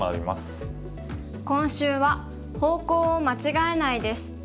今週は「方向を間違えない」です。